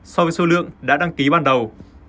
so với số lượng đã đăng ký ban đầu